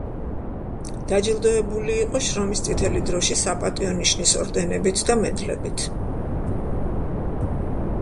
დაჯილდოვებული იყო შრომის წითელი დროშის „საპატიო ნიშნის“ ორდენებით და მედლებით.